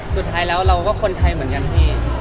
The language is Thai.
สุดท้ายแล้วเราก็คนไทยเหมือนกันพี่